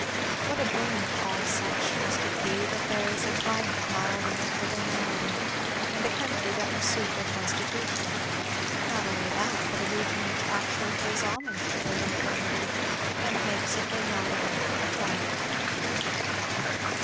What a boon to all such must it be that there is a climate mild enough for their malady, and a country that will suit their constitution; and not only that, but a region which actually pays homage to their infirmity, and makes of their martyrdom a triumph!